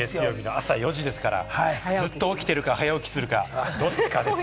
朝４時ですから、ずっと起きてるか早起きするかどっちかですよ。